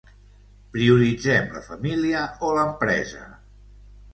Prioritzem la família o l’empresa?